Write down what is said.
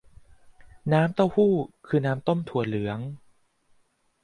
น้ำเต้าหู้คือน้ำต้มถั่วเหลือง